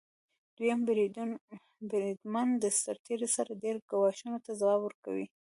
دویم بریدمن د سرتیرو سره ډیری ګواښونو ته ځواب ورکوي.